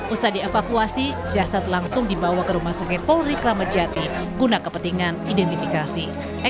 usai dievakuasi jasad langsung dibawa ke rumah sakit polri kramat jati guna kepentingan identifikasi